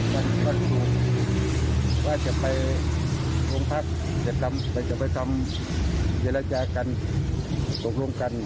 เพราะว่าจะไปโรงพักษณ์จะไปทำเยลละแจกันตกลงกัน